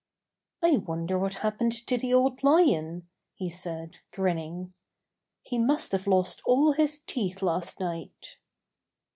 ^'I wonder what happened to the Old Lion," he said, grinning. ''He must have lost all his teeth last night."